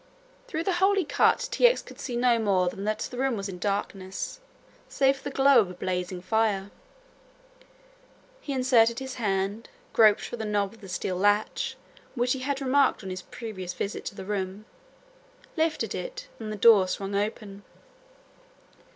Through the hole he cut T. X. could see no more than that the room was in darkness save for the glow of a blazing fire. He inserted his hand, groped for the knob of the steel latch, which he had remarked on his previous visit to the room, lifted it and the door swung open.